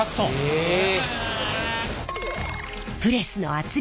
へえ。